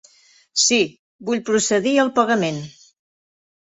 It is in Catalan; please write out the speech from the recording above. Sí, vull procedir al pagament!